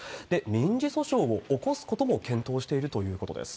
民事訴訟を起こすことも検討しているということです。